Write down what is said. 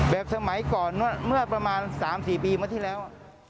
สมัยก่อนเมื่อประมาณ๓๔ปีเมื่อที่แล้ว